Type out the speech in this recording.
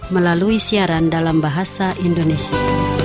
melalui siaran dalam bahasa indonesia